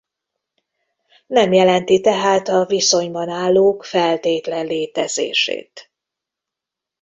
Nem jelenti tehát a viszonyban állók feltétlen létezését.